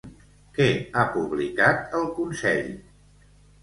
Què ha publicat el Consell?